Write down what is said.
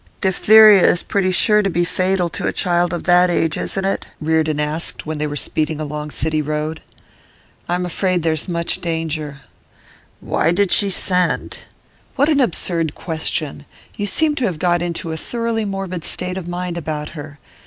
'Diphtheria is pretty sure to be fatal to a child of that age, isn't it?' Reardon asked when they were speeding along City Road. 'I'm afraid there's much danger.' 'Why did she send?' 'What an absurd question! You seem to have got into a thoroughly morbid state of mind about her.